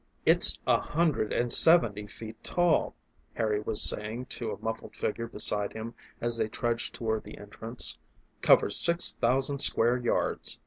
"It's a hundred and seventy feet tall," Harry was saying to a muffled figure beside him as they trudged toward the entrance; "covers six thousand square yards."